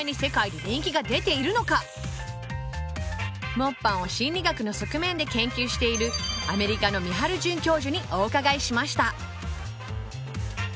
モッパンを心理学の側面で研究しているアメリカのミハル准教授にお伺いしました